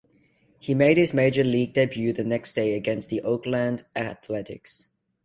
He made his major league debut the next day against the Oakland Athletics.